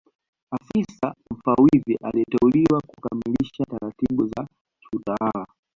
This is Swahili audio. Afisa Mfawidhi aliteuliwa kukamilisha taratibu za kiutawala